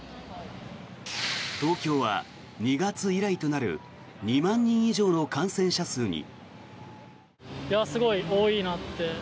東京は２月以来となる２万人以上の感染者数に。